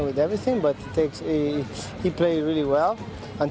tapi dia main dengan baik sampai saya menang